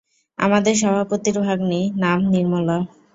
আমাদের সভাপতির ভাগ্নী, নাম নির্মলা।